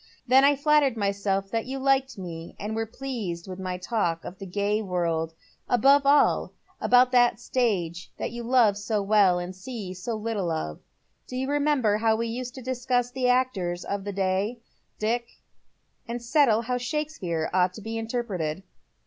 And then T flattered myself that you liked me, and were pleased with my talk of the gay world ; above all, about that stage you love so well and see so little of. Do you remember how we used to discuss the actors of the day, Dick, and settle how Shakespeare ought to be interpreted